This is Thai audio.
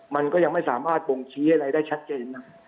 มันก็ยังไม่สามารถบ่งชี้อะไรได้ชัดเจนนะ